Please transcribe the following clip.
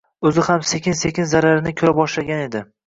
O'zi ham sekin-sekin zararini ko'ra boshlagan edi.